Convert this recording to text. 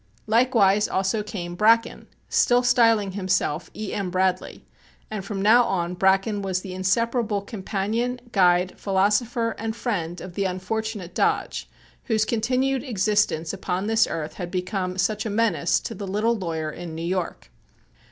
Likewise also came Bracken, still styling himself "E. M. Bradley," and from now on Bracken was the inseparable companion, guide, philosopher and friend (?) of the unfortunate Dodge whose continued existence upon this earth had become such a menace to the little lawyer in New York.